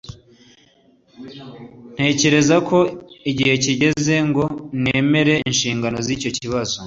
Ntekereza ko igihe kigeze ngo nemere inshingano z'icyo kibazo